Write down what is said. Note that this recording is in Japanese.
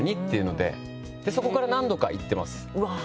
でそこから何度か行ってます。